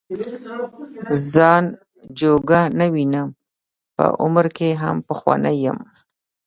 ځان جوګه نه وینم په عمر کې هم پخوانی یم.